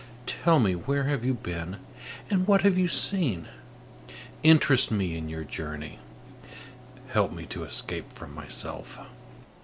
Tell me where you have been, and what you have seen. Interest me in your journey; help me to escape from myself."